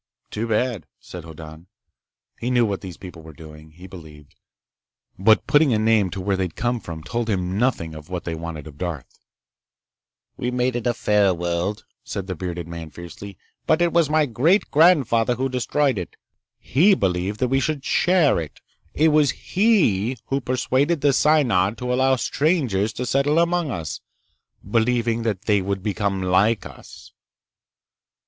"Too bad," said Hoddan. He knew what these people were doing, he believed, but putting a name to where they'd come from told him nothing of what they wanted of Darth. "We made it a fair world," said the bearded man fiercely. "But it was my great grandfather who destroyed it. He believed that we should share it. It was he who persuaded the Synod to allow strangers to settle among us, believing that they would become like us."